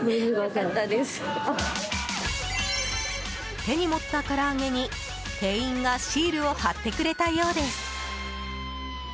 手に持ったから揚げに店員がシールを貼ってくれたようです。